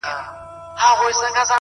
دا بېچاره به ښـايــي مــړ وي ـ